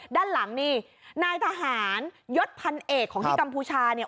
ด้านหลังนี่นายทหารยศพันเอกของที่กัมพูชาเนี่ย